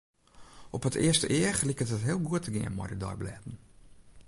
Op it earste each liket it heel goed te gean mei de deiblêden.